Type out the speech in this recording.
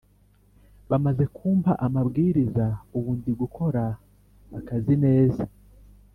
Bamaze kumpa amabwiriza ubu ndigukora akazi neza